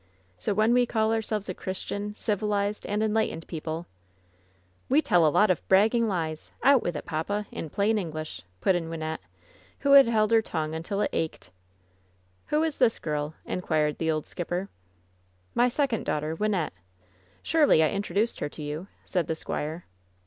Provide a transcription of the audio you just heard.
So when we call ourselves a Christian, civilized and en lightened people " "We tell a lot of bragging lies ! Out with it, papa, in plain English!" put in Wynnette, who had held her tongue until it ached. "Who is this girl?" inquired the old skipper. "My second daughter, Wynnette. Surely, I intro duced her to you," said the squire.